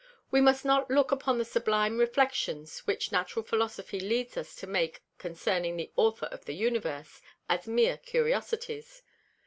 We must not look upon the Sublime Reflexions which Natural Philosophy leads us to make concerning the Author of the Universe, as meer Curiosities.